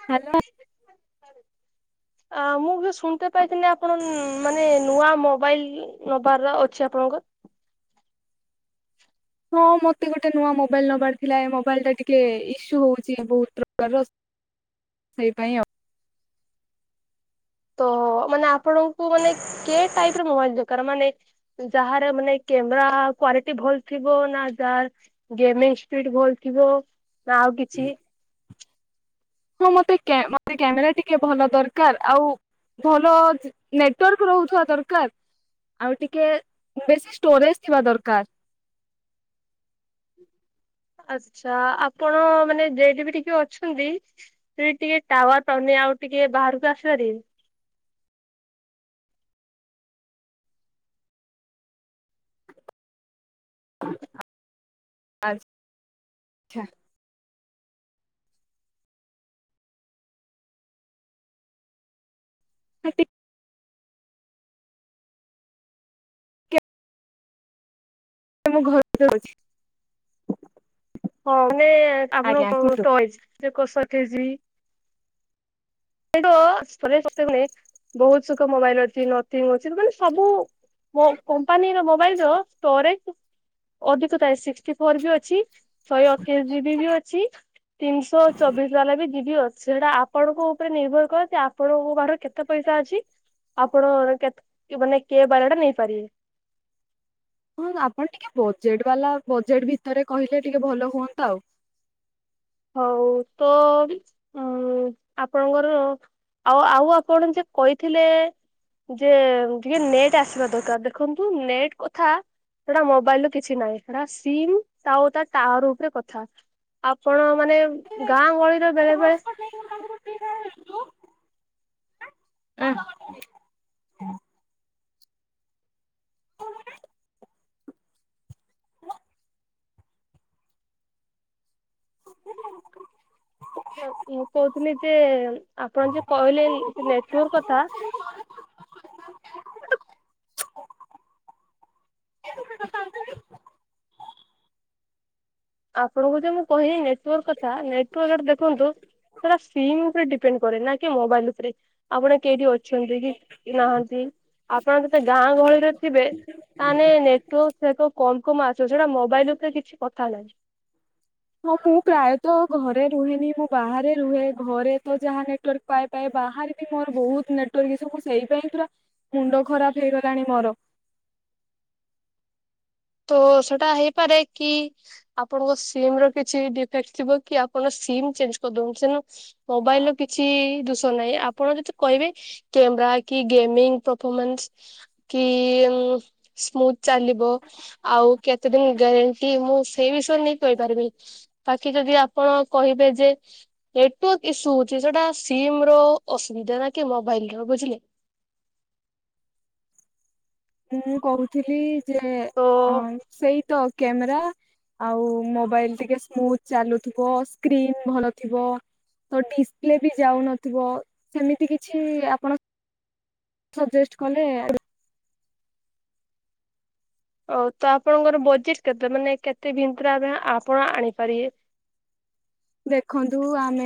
[inaudible] [inaudible] ମୁଁ ବି ଶୁଣିତେ ପାଇଥିଲି ଆପଣ ମାନେ ନୂଆ ମୋବାଇ ନବାର ଅଛି ଆପଣ ହଁ ମତେ ଗୋଟେ ନୂଆ ମୋବାଇଲ୍ ନବାର ଥିଲା, ଏ ମୋବାଇଟ୍ ଟା ଟିକେ ଇସୁ ହଉଚି ବହୁତ୍ ପ୍ରକାର। [inaudible] ତ ମାନେ ଆପଣଙ୍କୁ ମାନେ କେ ଟାଇପ୍ ର ମୋବାଇଲ୍ କାର୍? ମାନେ ଯାହାର ମାନେ କେମ୍ରା କ୍ଵାଲିଟି ଭଲ୍‌ ଥିବ ନା ଯାହା ଗେମିଙ୍ଗ୍ ସ୍ପିଡ୍‌ ଭଲ୍‌ ଥିବ ନା ଆଉ କିଛି ହଁ, ମତେ କ୍ୟାମେରା ଟିକେ ଭଲ ଦର୍କାର୍ ଆଉ ଭଲ ଜ ନେଟୱାର୍କ ରହୁଥିବା ଦରକାର। ଆଉ ଟିକେ ବେଶୀ ଷ୍ଟୋରେଜ ଥିବା ଦରକାର। ଆଚ୍ଛା ଆପଣ ମାନେ ଯେଠି ବି ଟିକେ ଅଛନ୍ତି। ସେଇଟି ଟିକେ ଟାୱାର ପାଉନି ଆଉ ଟିକେ ବାହାରକୁ ଆସି ପାରିବେ? ଆ ଆଚ ଛା। ଆ ଟି ମୁଁ ଘରେ ଯଉଛି। ହଁ ମାନେ ଆପଣ କଣ କୁହନ୍ତୁ ଟଏଜ କଷ କେଜି। ଅଧିକ [unintelligible] ବହୁତ ସୁଖ ମୋବାଇଲ ଅଛି ନ। ଅଛି ମାନେ ସବୁ ପ କମ୍ପାନୀର ମୋବାଇଲର ଷ୍ଟୋରେଜ ଅଧିକ ଥାଏ, ସିକ୍ସଟି ଫୋର ବି ଅଛି। ଶହେ ଅଠେଇଶ ଯିବି ବି ଅଛି, ତିନିଶହ ଚବିଶ ବାଲା ବି ଯିବି ଅଛି ସେଟା ଆପଣଙ୍କୁ ଉପରେ ନିର୍ଭର କରେ ଯେ ଆପଣଙ୍କ ପାରେ କେତେ ପଇସା ଅଛି? ଆପଣ ମାନେ କେତ ମନେ କେ ବାଲା ଟା ନେଇପାରିବେ? ହଁ ଆପଣ ଟିକେ ବଜେଟ ବାଲା ବଜେଟ୍ ଭିତରେ କହିଲେ ଟିକେ ଭଲ ହୁଅନ୍ତା ଆଉ। ହଉ ତ ଅଁ ହୁଁ ଆପଣଙ୍କର ଆଉ ଆଉ ଆପଣ ଯେ କହିଥିଲେ ଯେ ଟିକେ ନେଟ୍ ଆସିବା ଦରକାର, ଦେଖନ୍ତୁ ନେଟ୍ କଥା ସେଟା ମୋବାଇଲ ର କିଛି ନାହିଁ ସେଟା ସିମ ତା ଟାୱାର ଉପରେ କଥା। କଣ ମାନେ ଗାଁ ଗହଳିରେ ବେଳେ ବେଳେ [inaudible] ମୁଁ କହୁଥିଲି ଯେ ଆପଣ ଯେ କହିଲେ ନେଟ୍ୱର୍କଥା [inaudible] ଆପଣଙ୍କୁ ଯେ ମୁଁ କହିବି ନେଟୱାର୍କ କଥା, ନେଟାୱାର୍କ ଦେଖନ୍ତୁ ହେରା ସିମ୍ ଉପରେ ଡିପେଣ୍ଡ କରେ ନା କି ମୋବାଇଲ ଉପରେ ଆପଣ କେଠି ଅଛନ୍ତି କି? ନାହାନ୍ତି ଆପଣ ଯତେ ଗାଁ ଗହଳିରେ ଥିବେ ତାହେଲେ ନେଟୱର୍କ୍ ସହିତ କମ କମ ଆସିବ ସେଇଟା ମୋବାଇଲ ଉପରେ କିଛି କଥା ନାଇ। ହଁ ମୁଁ ପ୍ରାୟତଃ ଘରେ ରୁହେନି, ମୁଁ ବାହାରେ ରୁହେ ଘରେ ତ ଯାହାନେ ନେଟୱର୍କ ପାଏ ପାଏ ବାହାରେ ବି ମୋର ବହୁତ ନେଟୱାର୍କ ଈଶୁ ମୁଁ ସେଇ ପାଇଁ ପୁରା ମୁଣ୍ଡ ଖରାପ ହେଇଗଲାଣି ମୋର। ତ ସେଟା ହେଇପାରେ କି? ଆପଣଙ୍କ ସିମର କିଛି ଡିଫେକ୍ଟ ଥିବ କି ଆପଣ ସିମ୍ ଚେଞ୍ଜ କରିଦଉଛେନ। ମୋବାଇଲ ର କିଛି ଦୁଷ ନାହିଁ, ଆପଣ ଯେତେ କହିବେ କ୍ୟାମେରା କି ଗେମିଙ୍ଗ ପରଫମାନ୍ସ କି ଉଁ ସ୍ମୁଥ ଚାଲିବ। ଆଉ କେତେ ଦିନ ଗ୍ୟାରେଣ୍ଟି ମୁଁ ସେଇ ବିଷୟରେ ନେଇ କହିପାରିବି। ବାକି ଯଦି ଆପଣ କହିବେ ଯେ ନେଟୱାର୍କ ଇସୁ ହଉଛି ସେଟା ସିମ ର ଅସୁବିଧା ନା କି ମୋବାଇଲ ର ବୁଝିଲେ। ମୁଁ କହୁଥିଲି ଯେ ତ ଅ ସେଇ ତ କେମ୍ରା ଆଉ ମୋବାଇଲ ଟିକେ ସ୍ମୁଥ ଚାଲୁଥିବ ସ୍କ୍ରିନ୍ ଭଲ ଥିବ। ତ ଡିସପ୍ଲେ ବି ଯାଉନଥିବ, ସେମିତି କିଛି ଆପଣ ସଜେଷ୍ଟ କଲେ ଓ ତ ଆପଣଙ୍କର ବଜେଟ କେତେ ମାନେ କେତେ ଭତିରେ ଆମେ ଆପଣ ଆଣିପାରିବେ? ଦେଖନ୍ତୁ ଆମେ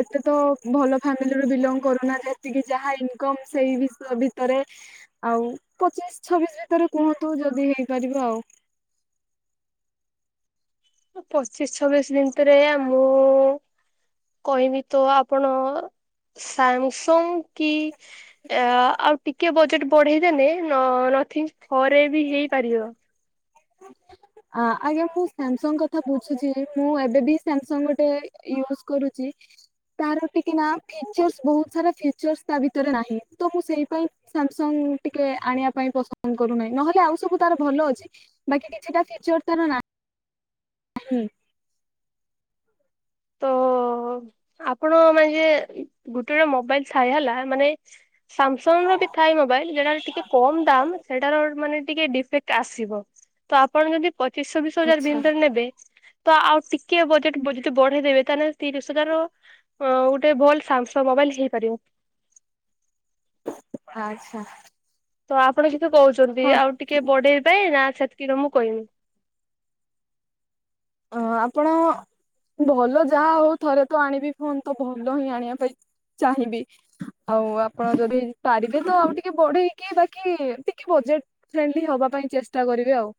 ଏତେ ତ ଭଲ ଫ୍ୟାମିଲିରୁ ବିଲଙ୍ଗ କରୁନା ଯେତିକି ଯାହା ଇନକମ୍ ସେଇ ବିସ ଭିତରେ। ଆଉ ପଚିଶ ଛବିଶ ଭିତରେ କୁହନ୍ତୁ ଯଦି ହେଇପାରିବ ଆଉ? ପଚିଶ ଛବିଶ ଦିନିତରେ ଆ ମୁଁ କହିବି ତ ଆପଣ ସାମସଙ୍ଗ କି ଆ ଆଉ ଟିକେ ବଜେଟ ବଢେଇଦେନେ ନ ନୋଥିଙ୍ଗ ଫରେ ବି ହେଇପାରିବ। ଆ ଆଜ୍ଞା ମୁଁ ସାମସଙ୍ଗ କଥା ବୁଝୁଛି ମୁଁ ଏବେ ବି ସାମସଙ୍ଗ ଗୋଟେ ୟୁଜ କରୁଛି। ତାର ଟିକେ ନା ଫିଚର୍ସ ବହୁତ ସାରା ଫିଚର୍ସ ତା ଭିତରେ ନାହିଁ ତ ମୁଁ ସେଇ ପାଇଁ। ସାମସଙ୍ଗ ଟିକେ ଆଣିବା ପାଇଁ ପସନ୍ଦ କରୁନାହିଁ ନହେଲେ ଆଉ ସବୁ ତାର ଭଲ ଅଛି ବାକି ଟ ସେଇା ଫିଚର ତାର ନା ହୁଁ ତ ଆପଣ ମାନେ ଯେ ଗୁଟେଟେ ମୋବାଇଲ ଥାଇ ହେଲା ମାନେ ସାମସଙ୍ଗ ର ବି ଥାଏ ମୋବାଇଲ ଯଟା ଟିକେ କମ ଦାମ୍ ସେଟାର ମାନେ ଟିକେ ଡିଫେକ୍ଟ। ଆସିବ ତ ଆପଣ ଯଦି ପଚିଶଶହବିଶ ହଜାର ଆଚ୍ଛା ଭନ୍ରେ ନେବେ। ତ ଆଉ ଟିକେ ବଜେଟ ବ ବଢେଇ ଦେେବେ ତାେଲେ ତିରିଶ ହଜାର ଗୋଟେ ଭଲ ସାମସଙ୍ଗ ମୋବାଇଲ ହେଇପାରିବ। ଆଚ୍ଛା। ତ ଆପଣ ସେଠୁ କହୁଛନ୍ତି ହଁ ଆଉ ଟିକେ ବଢେଇ ପାଇଁ ନା ସେତିକିିରେ ମୁଁ କହିବି। ଅ ଆପଣ ଭଲ ଯାହା ହଉ ଥରେ ତ ଆଣିବି ଫୋନ ତ ଭଲ ହିଁ ଆଣିବା ପାଇଁ। ଚାହିଁବି। ଆଉ ଆପଣ ଯଦି ପାରିବେ ତ ଆଉ ଟିକେ ବଢେଇକି ବାକି ଟିକେ ବଜେଟ। ଫ୍ରେଣ୍ଡଲି ହବା ପାଇଁ ଚେଷ୍ଟା କରିବି ଆଉ।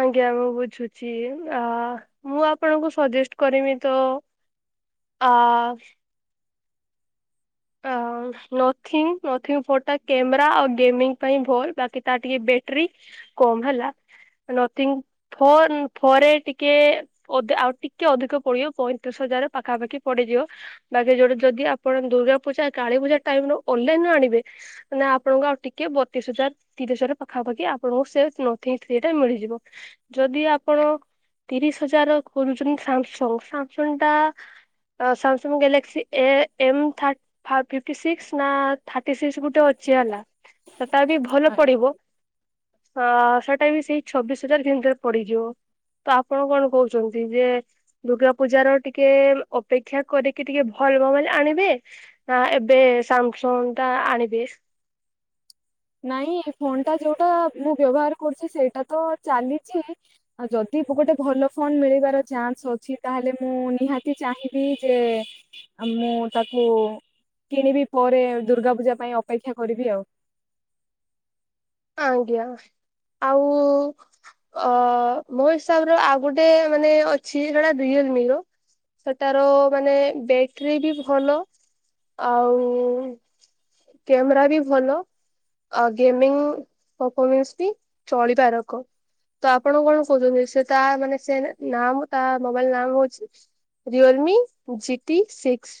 ଆଜ୍ଞା ମୁଁ ବୁଝୁଛି ଆ ମୁଁ ଆପଣଙ୍କୁ ସଜେଷ୍ଟ କରମି ତ ଅ ଅ ନଥିଂ ନୋଥିଂ ଫ ଟୋ କ୍ୟାମେରା ଆଉ ଗେମିଙ୍ଗ ପାଇଁ ଭଲ ବାକି ତା ଟିକେ ବ୍ୟାଟରୀ। କମ ହେଲା ନଥିଂ ଫ ଫରେ ଟିକେ। ଅଧ ଆଉ ଟିକେ ଅଧିକ ପଡିବ ପଇଁତିରିଶ ହଜାର ପାଖାପାଖି ପଡିଯିବ। ବାକି ଯୋଉଟ ଯଦି ଆପଣ ଦୁର୍ଗା ପୂଜା କାଳୀ ପୂଜା ଟାଇମରୁ ଅନଲାଇନ ରୁ ଆଣିବେ। ମାନେ ଆପଣଙ୍କୁ ଆଉ ଟିକେ ବତିଶ ହଜାର। ତିରିଶହରେ ପାଖାପାଖି ଆପଣଙ୍କୁ ସେ ନଥିଂ ଥ୍ରି ଟା ମିଳିଯିବ ଯଦି ଆପଣ ତିରିଶ ହଜାର କରୁଛନ୍ତି ସାମସଙ୍ଗ ସାମସଙ୍ଗ ଟା ସାମସଙ୍ଗ ଗ୍ୟାଲେକ୍ସି ଏ ଏମ୍ ଥାର ଫ ଫିପ୍ଟି ସି ନା ଥାର୍ଟି ସିକ୍ସ ଗୋଟେ ଅଛି ହେଲା ତଟ ବି ଭଲ ପଡିବ ହଁ ସେଇଟା ବି ସେଇ ଛବିଶ ହଜାର ଭରେ ପଡିଯିବ। ତ ଆପଣ କଣ କହୁଛନ୍ତି ଯେ ଦୁର୍ଗା ପୂଜାର ଟିକେ ଅପେକ୍ଷା କରିକି ଟିକେ ଭଲବ ବୋଲ ଆଣିବେ। ନା ଏବେ ସାମସଙ୍ଗ ଟା ଆଣିବି। ନାଇଁ ଫୋନ ଟା ଯୋଉଟା ମୁଁ ବ୍ୟବହାର କରୁଛି ସେଇଟା ତ ଚାଲିଛି। ଆଉ ଯଦି ଗୋଟେ ଭଲ ଫଣ୍ଡ ମିଳିବାର ଚାନ୍ସ ଅଛି ତାହେଲେ ମୁଁ ନିହାତି ଚାହିଁବି ଯେ। ଆଉ ମୁଁ ତାକୁ କିଣିବି ପରେ ଦୁର୍ଗା ପୂଜା ପାଇଁ ଅପେକ୍ଷା କରିବି ଆଉ ଆା ଆଉ ଅ ମୋ ହିସାବରେ ଆଉ ଗୋଟେ ମାନେ ଅଛି ସେଟା ରିଏଲ ମିି ର। ସେଟାର ମାନେ ବ୍ୟାଟରୀ ବି ଭଲ ଆଉ କ୍ୟାମେରା ବି ଭଲ ଆଉ ଗେମିଙ୍ଗ। ପରଫମାନ୍ସ ବି ଚଳିବାରକ। ତ ଆପଣ କଣ କହୁଛନ୍ତି ସେ ତା ମାନେ ସେ ନାମ ତା ମୋବାଇଲ ନାମ ହଉଛି। Realme G T six.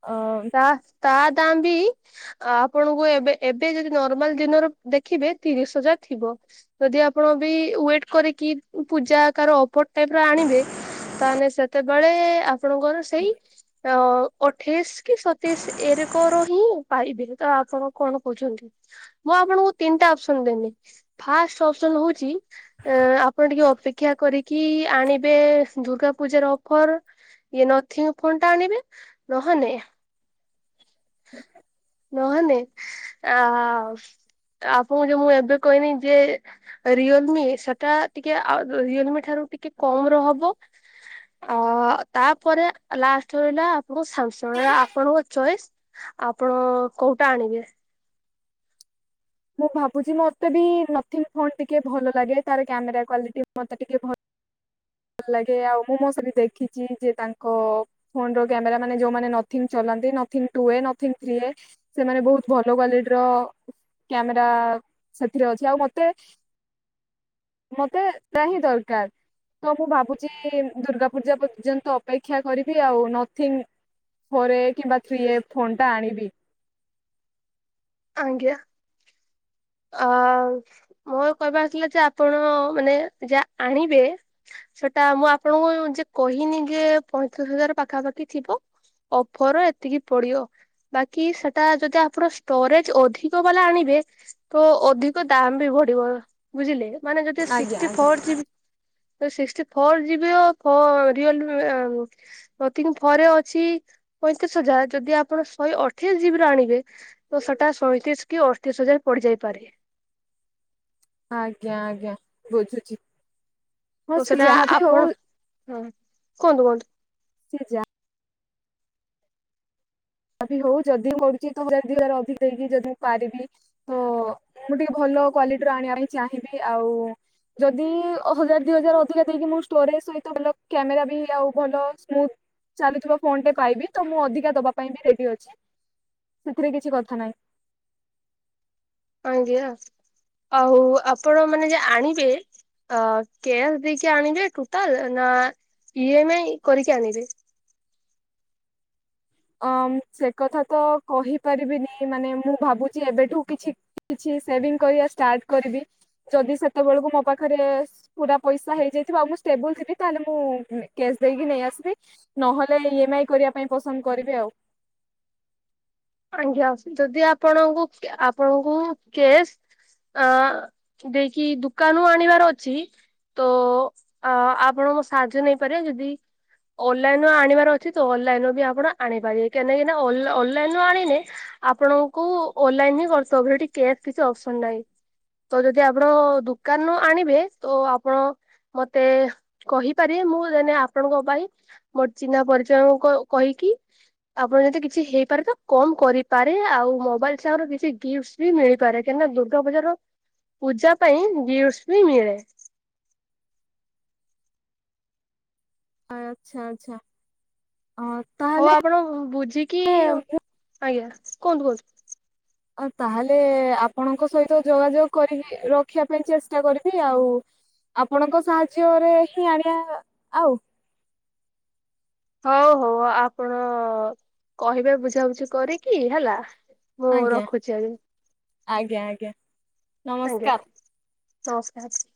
ଅ ତା ତା ଦାମ ବି ଆପଣଙ୍କୁ ଏବେ ଏବେ ଯଦି ନର୍ମାଲ ଦିନର ଦେଖିବେ ତିରିଶ ହଜାର ଥିବ। ଯଦି ଆପଣ ବି ୱେଟ କରିକି ପୂଜା କାର ଅପର ଟାଇପ ର ଆଣିବେ। ତାହେଲେ ସେତେବେଳେ ଆପଣଙ୍କର ସେଇ ଅ ଅଠେଇଶ କି ସତୀଶ ଏରେକର ହିଁ ପାଇବେ ତ ଆପଣ କଣ କହୁଛନ୍ତି। ମୁଁ ଆପଣଙ୍କୁ ତିନିଟା ଅପସନ ଦେଲିି ଫାଷ୍ଟ ଅପସନ ହଉଛି। ଅ ଆପଣ ଟିକେ ଅପେକ୍ଷା କରିକି ଆଣିବେ ଦୁର୍ଗା ପୂଜାର ଅଫର ଇଏ ନଥିଲେ ଫୋନ୍ ଟା ଆଣିବେ ନହେନେ [inaudible] ନହେନେ ଆ ଆପଣଙ୍କୁ ଯେ ମୁଁ ଏବେ କହିନି ଯେ ରିଅଲମି ସେଟା ଟିକେ ରିଅଲମି ଠାରୁ ଟିକେ କମ ର ହବ। ଅ ତାପରେ ଲାଷ୍ଟ ରହିଲା ଆପଣଙ୍କ ସାମସଙ୍ଗ ଆପଣଙ୍କ ଚଏସ୍ ଆପଣ କୋଉଟା ଆଣିବେ। ମୁଁ ଭାବୁଛି ମତେ ବି ନଥି ଫୋନ୍ ଟିକେ ଭଲ ଲାଗେ ତାର କ୍ୟାମେରା କଲିଟି ମତେ ଟିକେ ଭଲ ଭଲ ଲାଗେ ଆଉ ମୁଁ ମୋ ସବି ଦେଖିଛି ଯେ ତାଙ୍କ ଫୋନ ର କ୍ୟାମେରା ମାନେ ଯୋଉମାନେ ନଥିଙ୍ଗ ଚଲନ୍ତି ନଙ୍ଗ ଟୁ ନଥ୍ରୀ ସେମାନେ ବହୁତ ଭଲ କ୍ଵାଲିଟିର। କ୍ୟାମେରା ସେଥିରେ ଅଛି ଆଉ ମତେ ମତେ ତ ସେଟା ହିଁ ଦରକାର। ତ ମୁଁ ଭାବୁଛି ଦୁର୍ଗା ପୂଜା ପର୍ଯ୍ୟନ୍ତ ଅପେକ୍ଷା କରିବି ଆଉ ନଥିଙ୍ଗ। ଫୋର୍ ଏ କିମ୍ବା ଥ୍ରୀ ଏ ଫୋନ୍ ଟା ଆଣିବି। ଆଜ୍ଞା। ଅ ମୋ କହିବା ଆସିଲା ଯେ ଆପଣ ମାନେ ଯାହା ଆଣିବେ। ସେଟା ମୁଁ ଆପଣଙ୍କୁ ଯେ କହିନି ଯେ ପଇଁତିରିଶ ହଜାର ପାଖାପାଖି ଥିବ। ଅଫର ଏତିକି ପଡିବ। ବାକି ସେଟା ଯଦି ଆପଣ ଷ୍ଟୋରେଜ ଅଧିକ ବାଲା ଆଣିବେ ତ ଅଧିକ ଦାମ୍ ବି ବଢିବ ବୁଝିଲେ ମାନେ ଯଦିି ଆଜ୍ଞା ସିକ୍ଟି ଆଜ୍ଞା ଫର ଜିବି ସିକସଟି ଫୋର ଯିବି ରିଅଲ ନ ରେ ଅଛି ପଇଁତିରିଶ ହଜାର ଯଦି ଆପଣ ଶହେ ଅଠେଇଶ ଜିବି ର ଆଣିବେ। ତ ସେଟା ସଇଁତିରିଶ କି ଅଠତିରିଶ ହଜାର ପଡିଯାଇପାରେ। ଆଜ୍ଞା ଆଜ୍ଞା ବୁଝୁଛି। ହଁ ତ ସେ ସେଟା ଯାହାବି ଆପଣ ହଉ ହଁ କୁହନ୍ତୁ କୁହନ୍ତୁ। ସେଜା ଆପ ହଉ ଯଦି ହଡୁଛି ତମ ଦିଇରେ ଅଧିକ ଦେଇକି ଯଦି ମୁ ପାରିବି ତ ମୁଁ ଟିକେ ଭଲ କ୍ଵାଲିଟି ର ଆଣିବା ପାଇଁ ଚାହିଁବି ଆଉ ଯଦି ହଜାର ଦି ହଜାର ଅଧିକା ଦେଇକି ମୁଁ ଷ୍ଟୋରେଜ ସହିତ ଭଲ କ୍ୟାମେରା ବି ଆଉ ଭଲ ସ୍ମୁଥ ଚାଲଥିବା ଫୋନ ଟେ ପାଇବି ତ ମୁଁ ଅଧିକା ଦବା ପାଇଁ ବି ରେଡି ଅଛି ସେଥିରେ କିଛି କଥା ନାହିଁ। ଆଜ୍ଞା ଆଉ ଆପଣ ମାନେ ଯେ ଆଣିବେ। ଅ କ୍ୟାସ୍ ଦେଇକି ଆଣିବେ ଟୋଟାଲ ନା ଇ ଏମ ଆଇ କରିକି ଆଣିବେ। ଅ ସେ କଥା ତ କହିପାରିବିନି ମାନେ ମୁଁ ଭାବୁଛି ଏବେଠୁ କିଛି କିଛି ସେଭିଂ କରିବା ଷ୍ଟାର୍ଟ କରିବି ଯଦି ସେତେବେଳକୁ ମୋ ପାଖରେ। ପୁରା ପଇସା ହେଇଯାଇଥିବ ଆଉ ମୁଁ ଷ୍ଟେବୁଲ ଥିବି ତାହେଲେ ମୁଁ କ୍ୟାସ ଦେଇକି ନେଇ ଆସିବି। ନହେଲେ ଇ ଏମ ଆଇ କରିବା ପାଇଁ ପସନ୍ଦ କରିବେ ଆଉ। ଆଜ୍ଞା ଅ ଯଦି ଆପଣଙ୍କୁ ଆପଣଙ୍କୁ କେସ୍ ଅ ଦେଇକି ଦୋକାନରୁ ଆଣିବାର ଅଛି। ତ ଅ ଆପଣଙ୍କୋ ସାହାଯ୍ୟ ନେଇପାରିବେ ଯଦି ଅନଲାଇନ ଆଣିବାର ଅଛି ତ ଅନଲାଇନୁ ବି ଆପଣ ଆଣିପାରିବେ କାହିଁକି ନା ଅନଲାଇ ଆଣିନେ ଆପଣଙ୍କୁ ଅନଲାଇନ ହିଁ କରିବ ସେଠି୍ୟା କିଛି ଅପସନ ନାହିଁ। ତ ଯଦି ଆପଣ ଦୁୋକାନରୁ ଆଣିବେ ତ ଆପଣ ମତେ କହିପାରିବେ ମୁଁ ଯେ ଆପଣଙ୍କ ପାଇଁ ମୋର ଚିହ୍ନା ପରିଚୟଙ୍କୁ କହିକି ଆପଣ ଯଦି କିଛି ହେଇପାରେ ତ? କମ କରିପାରେ ଆଉ ମୋବାଇଲ ସାଙ୍ଗରେ କିଛି ଗିଫ୍ଟ ବି ମିଳିପାରେ କାହିଁକିନା ଦୁର୍ଗାପୂଜାର ପୂଜା ପାଇଁ ଗିଫ୍ଟ ବି ମିଳେ। ଆଚ୍ଛା ଆଚ୍ଛା ଆ ହଉ ଆପଣ ବୁଝିକି ଆଜ୍ଞା କୁହନ୍ତୁ କୁହନ୍ତୁ। ଆ ତାହେଲେ ଆପଣଙ୍କ ସହିତ ଯୋଗାଯୋଗ କରିବି ରଖିବା ପାଇଁ ଚେଷ୍ଟା କରିବି ଆଉ। ଆପଣଙ୍କ ସାହାଯ୍ୟରେ ହିଁ ଆଣିବା ଆଉ ହଉ ହଉ ଆପଣ କହିବେ ବୁଝାବୁଝି କରିକି ହେଲା। ମୁଁ ଆଜ୍ଞା ରଖୁଛି ଆ ଆଜ୍ଞା ଆଜ୍ଞା ଆଜ୍ଞା। ନମସ୍କାର। ନମସ୍କାର।